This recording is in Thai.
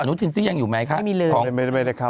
อนุทินซี่ยังอยู่ไหมครับไม่ได้เข้า